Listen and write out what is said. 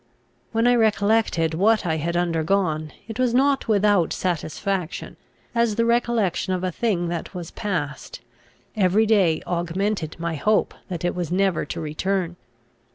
When I recollected what I had undergone, it was not without satisfaction, as the recollection of a thing that was past; every day augmented my hope that it was never to return.